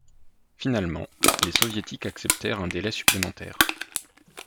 Finalement, les Soviétiques acceptèrent un délai supplémentaire.